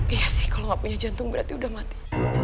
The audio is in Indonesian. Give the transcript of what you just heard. iya sih kalo gak punya jantung berarti udah mati